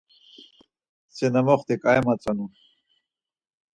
Si na moxti ǩai matzonu.